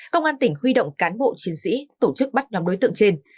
công an tỉnh huy động cán bộ chiến sĩ tổ chức bắt nhóm đối tượng trên